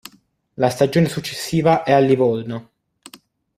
La stagione successiva è a Livorno.